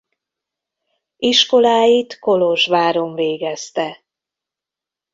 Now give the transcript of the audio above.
Iskoláit Kolozsváron végezte.